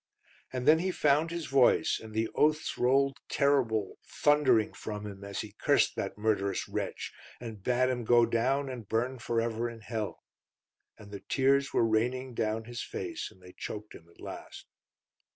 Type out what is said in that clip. And then he found his voice, and the oaths rolled terrible, thundering from him, as he cursed that murderous wretch, and bade him go down and burn for ever in hell. And the tears were raining down his face, and they choked him at last.